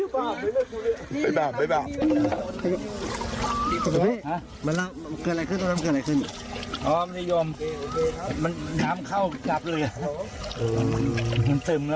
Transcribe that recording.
ความสะยมมันน้ำเข้ากับเรือมันซึมแล้วมันนักด้วย